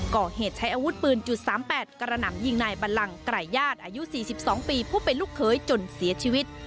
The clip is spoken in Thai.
ก่อเหตุใช้อาวุธปืนจุดสามแปดกระหนังยิงนายบัลลังกรายญาติอายุสี่สิบสองปีพบเป็นลูกเคยจนเสียชีวิต